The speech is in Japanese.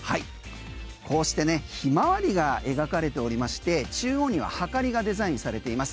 こうしてヒマワリが描かれておりまして、中央にははかりがデザインされています。